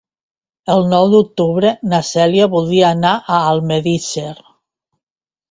El nou d'octubre na Cèlia voldria anar a Almedíxer.